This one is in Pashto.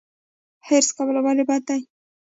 حرص کول ولې بد دي؟